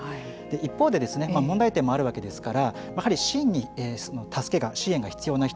一方で問題点もあるわけですからやはり真に助け支援が必要な人